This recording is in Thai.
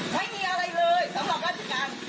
ไม่มีอะไรเลยสำหรับราชการ